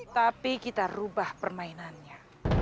tapi kita rubah permainannya